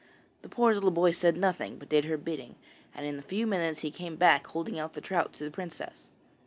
The poor little boy said nothing, but did her bidding, and in a few minutes he came back holding out the trout to the princess.